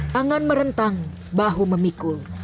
tangan merentang bahu memikul